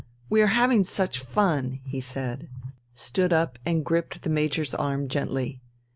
"We are having such fun!" he said, stood up and gripped the Major's arm gently.